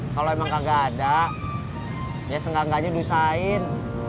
kalo emang kagak ada ya senggak enggaknya dusain